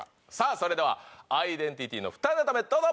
それではアイデンティティの２ネタ目どうぞ！